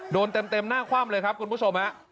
โดนเต็มหน้าคว่ำเลยครับคุณผู้ชมฮะ